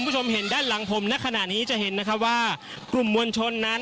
ผู้สื่อข่าวชนะทีวีจากฟิวเจอร์พาร์ครังสิตเลยนะคะ